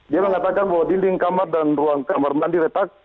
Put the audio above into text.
dia mengatakan bahwa dinding kamar dan ruang kamar mandi retak